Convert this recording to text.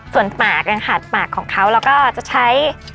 ส่วนหมากน่ะค่ะหมากของเขาเราก็จะใช้